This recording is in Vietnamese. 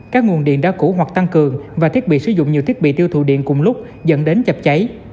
các nguồn điện đã cũ hoặc tăng cường và thiết bị sử dụng nhiều thiết bị tiêu thụ điện cùng lúc dẫn đến chập cháy